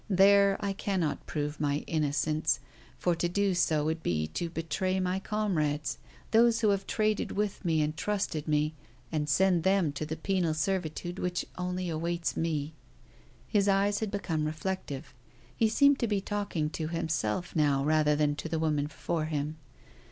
"There I cannot prove my innocence, for to do so would be to betray my comrades those who have traded with me and trusted me and send them to the penal servitude which also awaits me." His eyes had become reflective. He seemed to be talking to himself now rather than to the woman before him.